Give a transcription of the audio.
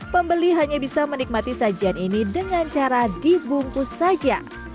pembeli hanya bisa menikmati sajian ini dengan cara dibungkus saja